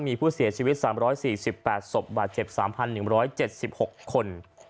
มีผู้เสียชีวิต๓๔๘ศพบาดเจ็บ๓๑๗๖คน